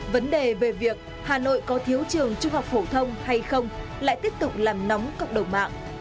vấn đề về việc hà nội có thiếu trường trung học phổ thông hay không lại tiếp tục làm nóng cộng đồng mạng